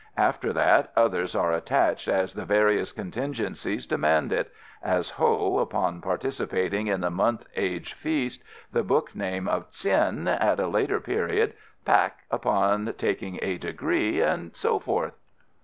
After that, others are attached as the various contingencies demand it, as Ho upon participating in the month age feast, the book name of Tsin at a later period, Paik upon taking a degree, and so forth."